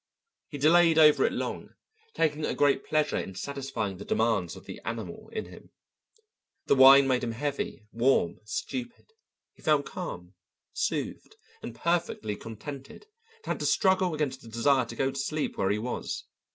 He delayed over it long, taking a great pleasure in satisfying the demands of the animal in him. The wine made him heavy, warm, stupid; he felt calm, soothed, and perfectly contented, and had to struggle against a desire to go to sleep where he was.